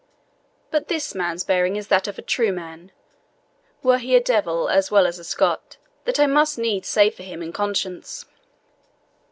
But this man's bearing is that of a true man, were he a devil as well as a Scot; that I must needs say for him in conscience."